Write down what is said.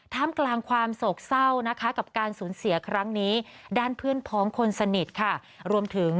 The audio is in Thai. กลางความโศกเศร้านะคะกับการสูญเสียครั้งนี้ด้านเพื่อนพ้องคนสนิทค่ะรวมถึง